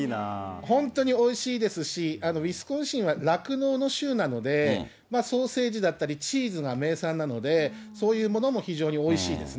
本当においしいですし、ウィスコンシンは酪農の州なので、ソーセージだったりチーズが名産なので、そういうものも非常においしいですね。